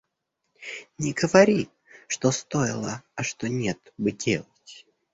Не говори, что стоило, а что нет бы делать.